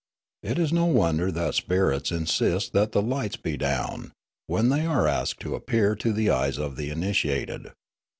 It is no wonder that spirits insist that the lights be down, when they are asked to appear to the e}'es of the initiated.